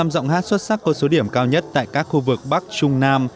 một mươi năm giọng hát xuất sắc có số điểm cao nhất tại các khu vực bắc trung nam